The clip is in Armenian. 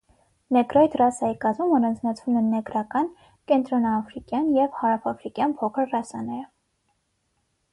Նեգրոիդ ռասայի կազմում առանձնացվում են նեգրական, կենտրոնաաֆրիկյան և հարավաֆրիկյան փոքր ռասաները։